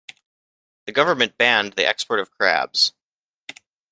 The government banned the export of crabs.